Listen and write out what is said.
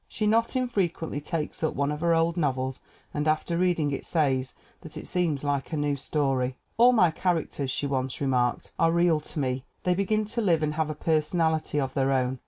She not infrequently takes up one of her old novels and after reading it says that it seems like a new story. "All my characters," she once remarked, "are real to me. They begin to live and have a personality of their own.